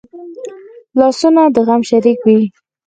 لاسونه د غم شریک وي